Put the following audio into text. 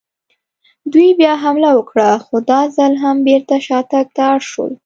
دوی بیا حمله وکړه، خو دا ځل هم بېرته شاتګ ته اړ شول.